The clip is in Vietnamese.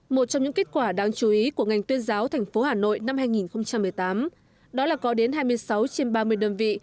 một trong những kết quả đáng chú ý của ngành tuyên giáo thành phố hà nội năm hai nghìn một mươi tám đó là có đến hai mươi sáu trên ba mươi đơn vị